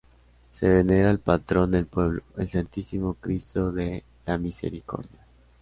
Se venera al Patrón del pueblo, el Santísimo Cristo de la Misericordia.